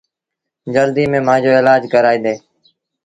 جلديٚ ميݩ مآݩجو ايلآج ڪرآيآندي